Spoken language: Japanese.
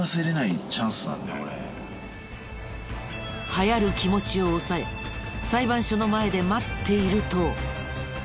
はやる気持ちを抑え裁判所の前で待っていると。